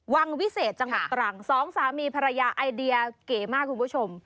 วิเศษจังหวัดตรังสองสามีภรรยาไอเดียเก๋มากคุณผู้ชม